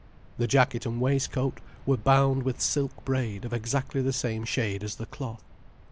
The jacket and waistcoat were bound with silk braid of exactly the same shade as the cloth.